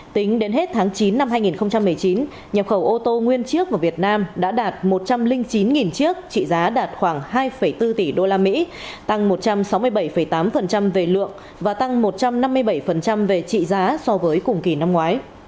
tính đến hết tháng chín năm hai nghìn một mươi chín nhập khẩu ô tô nguyên chiếc vào việt nam đã đạt một trăm linh chín chiếc trị giá đạt khoảng hai bốn tỷ usd tăng một trăm sáu mươi bảy tám về lượng và tăng một trăm năm mươi bảy về trị giá so với cùng kỳ năm ngoái